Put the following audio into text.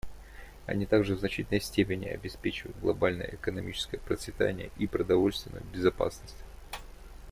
Они также в значительной степени обеспечивают глобальное экономическое процветание и продовольственную безопасность.